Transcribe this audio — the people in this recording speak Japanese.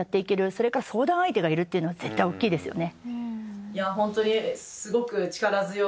それから相談相手がいるっていうは絶対大きいですね。